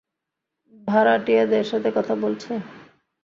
ভাড়াটিয়াদের সাথে কথা বলছো?